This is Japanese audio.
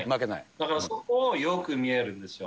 だからそこがよく見えるんですよ。